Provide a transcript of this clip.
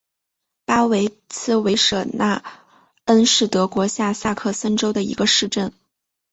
巴德茨维舍纳恩是德国下萨克森州的一个市镇。